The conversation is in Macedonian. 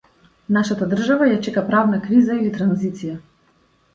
Нашата држава ја чека правна криза или транзиција.